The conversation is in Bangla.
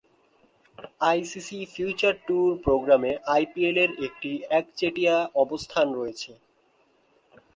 আইসিসি ফিউচার ট্যুর প্রোগ্রামে আইপিএলের একটি একচেটিয়া অবস্থান রয়েছে।